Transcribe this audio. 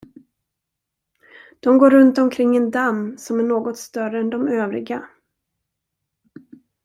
De går runt omkring en damm, som är något större än de övriga.